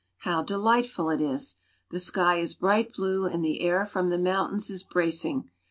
How delightful it is ! The sky is bright blue and the air from the mountains is bracing.